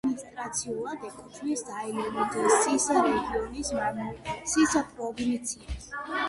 ადმინისტრაციულად ეკუთვნის აილენდსის რეგიონის მანუსის პროვინციას.